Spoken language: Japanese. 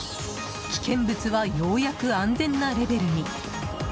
危険物はようやく安全なレベルに。